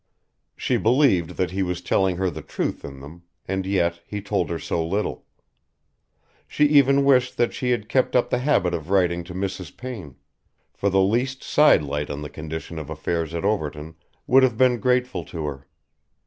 She believed that he was telling her the truth in them, and yet he told her so little. She even wished that she had kept up the habit of writing to Mrs. Payne; for the least sidelight on the condition of affairs at Overton would have been grateful to her.